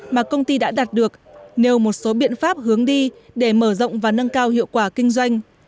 mà công ty đã đạt được nêu một số biện pháp hướng đi để mở rộng và nâng cao hiệu quả kinh doanh